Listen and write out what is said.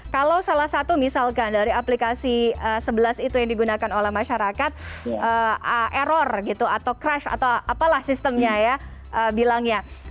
kalau salah satu misalkan dari aplikasi sebelas itu yang digunakan oleh masyarakat error gitu atau crash atau apalah sistemnya ya bilangnya